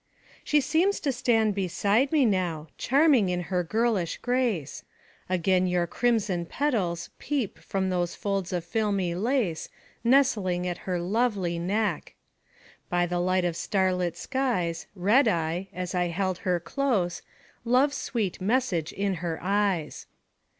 She seems to stand beside me now, Charming in her girlish grace; Again your crimson petals peep From those folds of filmy lace Nestling at her lovely neck. By the light of starlit skies Read I, as I held her close, Love's sweet message in her eyes.